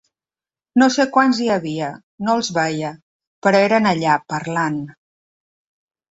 No sé quants hi havia, no els veia, però eren allà, parlant.